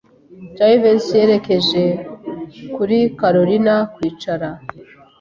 Jivency yerekeje kuri Kalorina kwicara.